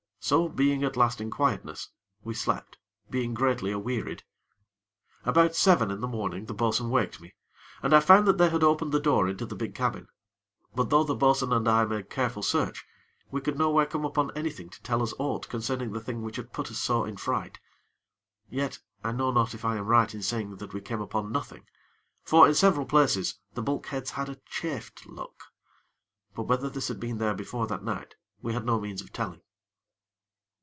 So, being at last in quietness, we slept, being greatly awearied. About seven in the morning, the bo'sun waked me, and I found that they had opened the door into the big cabin; but though the bo'sun and I made careful search, we could nowhere come upon anything to tell us aught concerning the thing which had put us so in fright. Yet, I know not if I am right in saying that we came upon nothing; for, in several places, the bulkheads had a chafed look; but whether this had been there before that night, we had no means of telling.